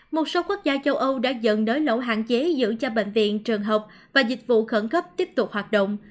một số quốc gia châu âu đã dần nới lỏng hạn chế giữ cho bệnh viện trường học và dịch vụ khẩn cấp tiếp tục hoạt động